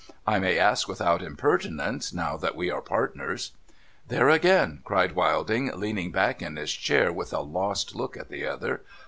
' I may ask without impertinence, now that we are partners.' ' There again !' cried Wilding, leaning back in his chair, with a lost look at the other.